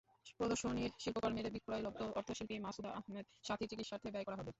প্রদর্শনীর শিল্পকর্মের বিক্রয়লব্ধ অর্থ শিল্পী মাসুদা আহমেদ সাথীর চিকিৎসার্থে ব্যয় করা হবে।